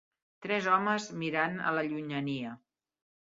Tres homes mirant a la llunyania